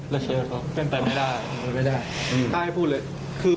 แม่เชื่อเป็นไปไม่ได้